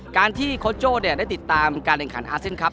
การที่โค้ชโจ้ได้ติดตามการแข่งขันอาเซียนครับ